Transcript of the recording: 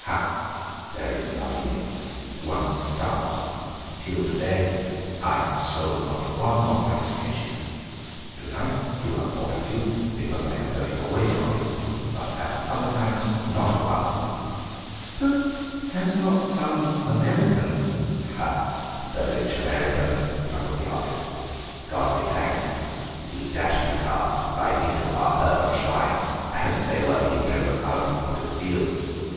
"Ah, there is nossing in it. One starves. Till to day I have sold not one of my sketches. To night you have bought a few, because I am going away from you, but at other times, not one." "But has not some American—?" "Ah, the rich American," chuckled the artist. "God be thanked. He dash his car right into our herd of schwines as they were being driven out to the fields.